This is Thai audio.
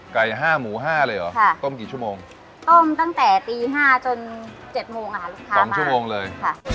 ไก่๕หมู๕เลยหรอค่ะต้มกี่ชั่วโมงต้มตั้งแต่ตี๕จน๗โมงลูกค้ามา๒ชั่วโมงเลย